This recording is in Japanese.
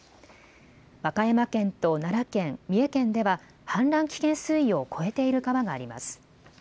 和歌山県と奈良県、三重県では氾濫危険水位を超えている川があります。